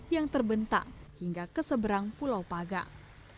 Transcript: yang terbentak hingga keseberang pulau pagang